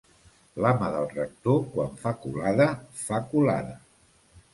L'ama del rector quan fa colada, fa colada.